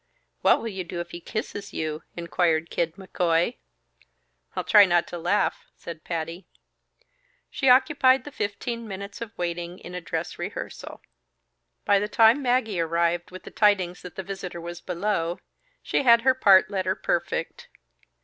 "What will you do if he kisses you?" inquired Kid McCoy. "I'll try not to laugh," said Patty. She occupied the fifteen minutes of waiting in a dress rehearsal. By the time Maggie arrived with the tidings that the visitor was below, she had her part letter perfect.